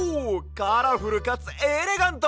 カラフルかつエレガント！